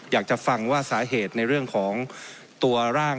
อยากจะฟังว่าสาเหตุในเรื่องของตัวร่าง